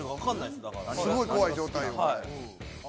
すごい怖い状態よ。